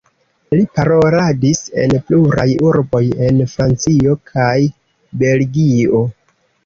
Li paroladis en pluraj urboj en Francio kaj Belgio.